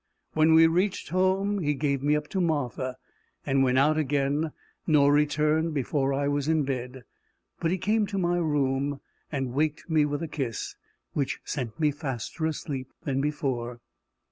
When we reached home, he gave me up to Martha, and went out again nor returned before I was in bed. But he came to my room, and waked me with a kiss, which sent me faster asleep than before.